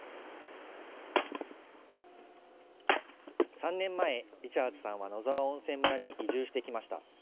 ３年前、リチャーズさんは野沢温泉村に移住してきました。